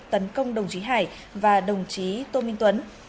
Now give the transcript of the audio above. tấn công đồng chí hải và đồng chí tô minh tuấn